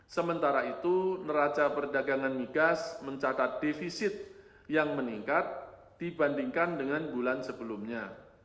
sementara itu neraca perdagangan migas mencatat defisit yang meningkat dibandingkan dengan bulan sebelumnya